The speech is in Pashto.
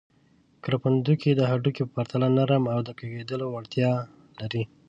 کرپندوکي د هډوکو په پرتله نرم او د کږېدلو وړتیا لري.